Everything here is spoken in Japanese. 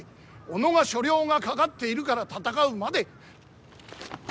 己が所領がかかっているから戦うまで。